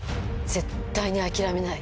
絶対に諦めない。